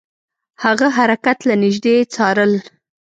هغه حرکات له نیژدې څارل.